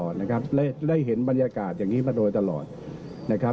นะครับได้เห็นบรรยากาศอย่างนี้มาโดยตลอดนะครับ